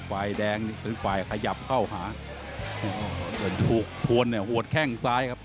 ฝ่ายแดงนี่คือฝ่ายขยับเข้าหาเหมือนถูกทวนเนี่ยโหดแข้งซ้ายครับ